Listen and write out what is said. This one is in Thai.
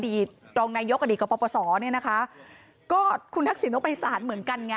อดีตรองนายกอดีตกับประสอร์คุณทักศิลป์ต้องไปสารเหมือนกันไง